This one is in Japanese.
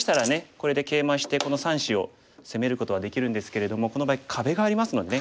これでケイマしてこの３子を攻めることはできるんですけれどもこの場合壁がありますのでね